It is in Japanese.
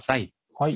はい。